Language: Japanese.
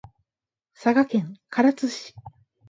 佐賀県唐津市